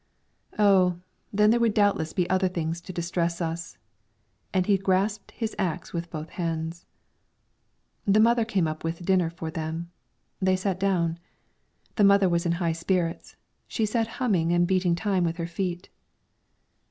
"Oh! then there would doubtless be other things to distress us," and he grasped his axe with both hands. The mother came up with dinner for them; they sat down. The mother was in high spirits, she sat humming and beating time with her feet.